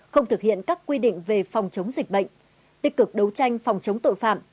không thực hiện các quy định về phòng chống dịch bệnh tích cực đấu tranh phòng chống tội phạm